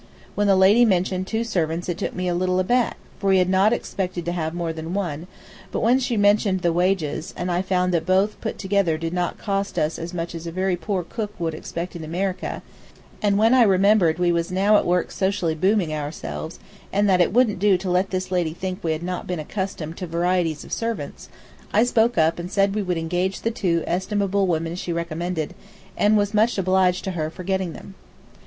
When the lady mentioned two servants it took me a little aback, for we had not expected to have more than one, but when she mentioned the wages, and I found that both put together did not cost as much as a very poor cook would expect in America, and when I remembered we as now at work socially booming ourselves, and that it wouldn't do to let this lady think that we had not been accustomed to varieties of servants, I spoke up and said we would engage the two estimable women she recommended, and was much obliged to her for getting them.